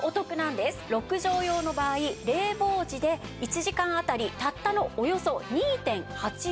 ６畳用の場合冷房時で１時間当たりたったのおよそ２．８円。